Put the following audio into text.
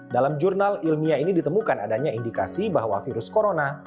dalam jurnal ilmiah ini ditemukan adanya indikasi bahwa virus corona